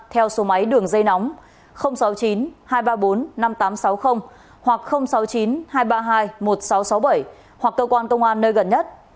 theo số máy đường dây nóng sáu mươi chín hai trăm ba mươi bốn năm nghìn tám trăm sáu mươi hoặc sáu mươi chín hai trăm ba mươi hai một nghìn sáu trăm sáu mươi bảy hoặc cơ quan công an nơi gần nhất